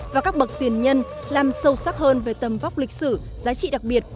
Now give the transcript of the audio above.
và các bậc tiền nhân làm sâu sắc hơn về tầm vóc lịch sử giá trị đặc biệt